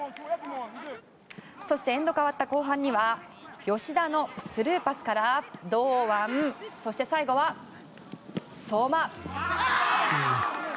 そしてエンドが変わった後半には吉田のスルーパスから堂安、そして最後は相馬！